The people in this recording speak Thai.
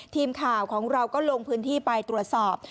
ทีมข่าวของเราก็ลงพื้นที่ไปตรวจสอบ